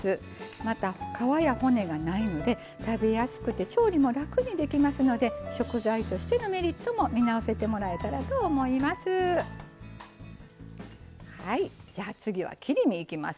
また、皮や骨がないので食べやすくて調理も楽にできますので食材としてのメリットも見直せてもらえたらと思います。